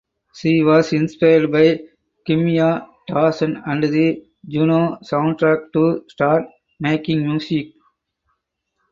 She was inspired by Kimya Dawson and the "Juno" soundtrack to start making music.